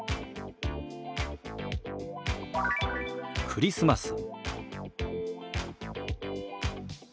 「クリスマス」。